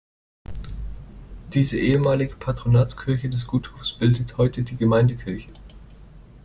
Diese ehemalige Patronatskirche des Gutshofs bildet heute die Gemeindekirche.